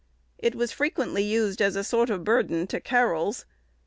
It was frequently used as a sort of burden to carols.